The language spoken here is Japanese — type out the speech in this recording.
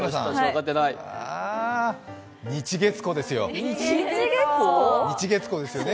日、月、子ですよ、ね。